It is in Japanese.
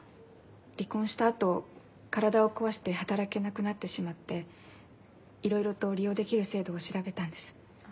離婚した後体をこわして働けなくなってしまっていろいろと利用できる制度を調べたんです。